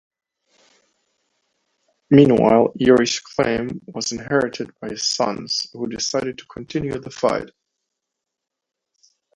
Meanwhile, Yuri's claim was inherited by his sons who decided to continue the fight.